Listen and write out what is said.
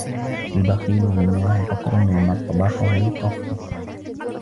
البخيل غناه فقر ومطبخه قفر